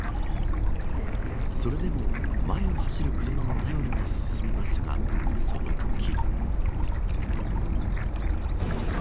それでも前を走る車を頼りに進みますがそのとき。